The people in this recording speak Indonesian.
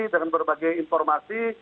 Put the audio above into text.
dengan berbagai informasi